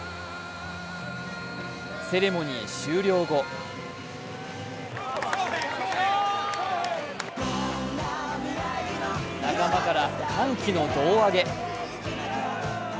セレモニー終了後仲間から歓喜の胴上げ。